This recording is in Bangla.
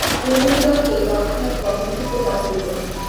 প্রহরীদ্বয়কে তৎক্ষণাৎ কর্মচ্যুত করা হইল।